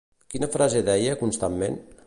Quina frase deia constantment?